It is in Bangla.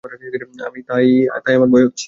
তাই আমার ভয় হচ্ছে।